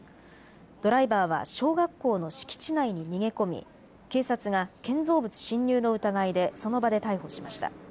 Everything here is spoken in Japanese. ドライバーは小学校の敷地内に逃げ込み警察が建造物侵入の疑いでその場で逮捕しました。